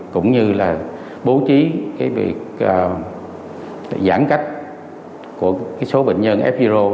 cũng như là bố trí việc giãn cách của số bệnh nhân f zero